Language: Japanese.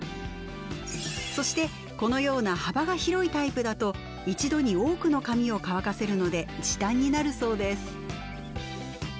そしてこのような幅が広いタイプだと一度に多くの髪を乾かせるので時短になるそうです。